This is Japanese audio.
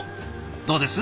どうです？